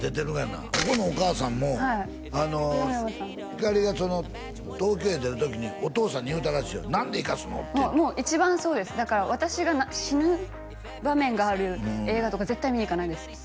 ここのお母さんもひかりが東京へ出る時にお父さんに言うたらしいよ何で行かすのってもう一番そうですだから私が死ぬ場面がある映画とか絶対見に行かないです